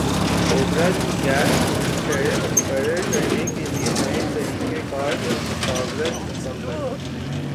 اوگرا کی gas tariff مقرر کرنے کیلئے نئے طریقہ کار پر مشاورت مکمل